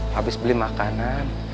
habis beli makanan